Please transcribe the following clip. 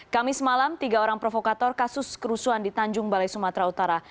kamis malam tiga orang provokator kasus kerusuhan di tanjung balai sumatera utara